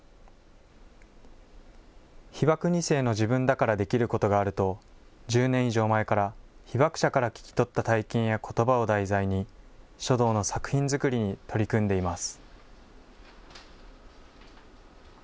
被爆２世の自分だからできることがあると、１０年以上前から、被爆者から聞き取った体験やことばを題材に、書道の作品作りに取り組んでいます。